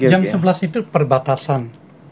jam sebelas itu perbatasan